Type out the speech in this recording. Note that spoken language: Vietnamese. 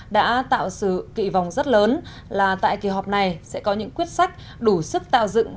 đã tạo sự kỳ vọng rất lớn là tại kỳ họp này sẽ có những quyết sách đủ sức tạo dựng